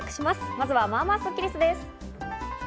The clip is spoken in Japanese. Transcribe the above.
まずは、まあまあスッキりす。